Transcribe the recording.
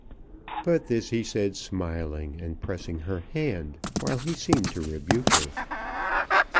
But this he said smiling and pressing her hand while he seemed to rebuke her.